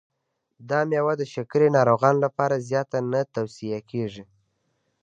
دا مېوه د شکرې ناروغانو لپاره زیاته نه توصیه کېږي.